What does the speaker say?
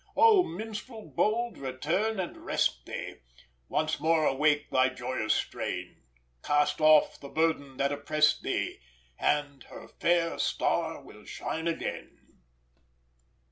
Oh, Minstrel bold, return and rest thee, Once more awake thy joyous strain, Cast off the burden that oppress'd thee, And her fair star will shine again!"